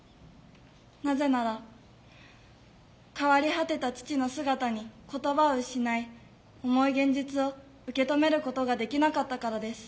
なぜなら変わり果てた父の姿に言葉を失い重い現実を受け止めることができなかったからです。